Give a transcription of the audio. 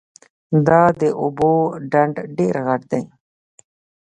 دا د اوبو ډنډ ډېر غټ ده